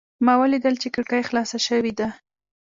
ما ولیدل چې کړکۍ خلاصه شوې ده.